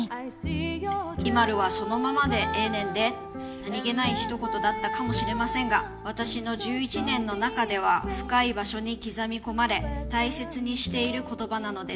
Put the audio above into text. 「何げないひと言だったかもしれませんが私の１１年の中では深い場所に刻み込まれ大切にしている言葉なのです。